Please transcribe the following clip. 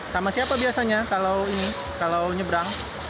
sama siapa biasanya kalau ini kalau nyebrang